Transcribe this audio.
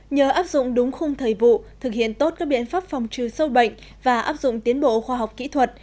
nhờ áp dụng đúng khung thời vụ thực hiện tốt các biện pháp phòng trừ sâu bệnh và áp dụng tiến bộ khoa học kỹ thuật